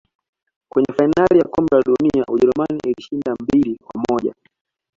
Kwenye fainali ya kombe la dunia ujerumani ilishinda mbili kwa moja